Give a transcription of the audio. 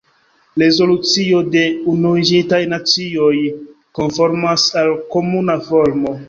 Rezolucio de Unuiĝintaj Nacioj konformas al komuna formo.